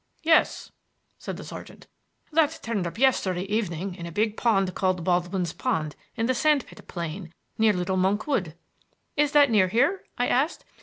"Yes," said the sergeant; "that turned up yesterday evening in a big pond called Baldwin's Pond in the Sandpit plain, near Little Monk Wood." "Is that near here?" I asked.